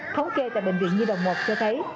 thống kê tại bệnh viện nhi đồng một cho thấy